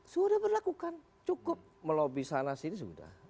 sudah berlakukan cukup melobi sana sini sudah